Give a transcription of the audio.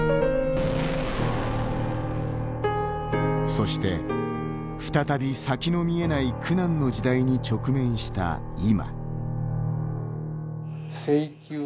そして、再び先の見えない苦難の時代に直面した今。